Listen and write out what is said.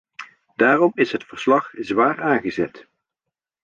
Daarom is het verslag zwaar aangezet.